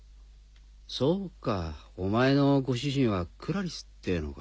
そうかお前のご主人はクラリスってぇのか。